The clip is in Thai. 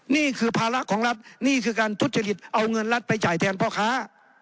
นี่คือภาระของรัฐนี่คือการทุจริตเอาเงินรัฐไปจ่ายแทนพ่อค้า